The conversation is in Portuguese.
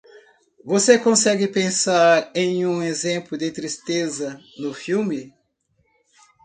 Você consegue pensar em um exemplo de tristeza no filme?